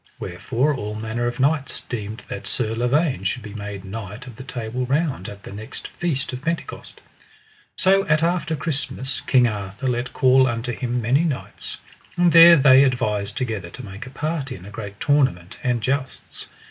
Wherefore all manner of knights deemed that Sir Lavaine should be made knight of the Table Round at the next feast of Pentecost. So at after Christmas King Arthur let call unto him many knights, and there they advised together to make a party and a great tournament and jousts.